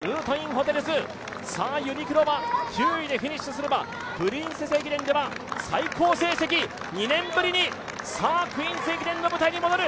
ルートインホテルズ、さあ、ユニクロは９位でフィニッシュすれば「プリンセス駅伝」では最高成績、２年ぶりに「クイーンズ駅伝」の舞台に戻る。